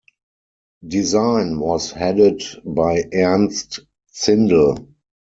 Design was headed by Ernst Zindel.